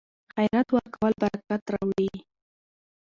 خیرات ورکول برکت راوړي.